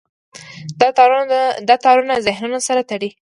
دا تارونه ذهنونه سره تړي.